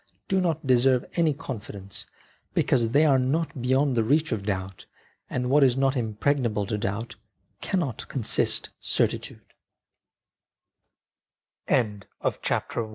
do not deserve any confidence, because they are not beyond the reach of doubt, and what is not impregnable to doubt cannot constitut